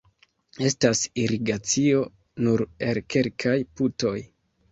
Estas irigacio nur el kelkaj putoj.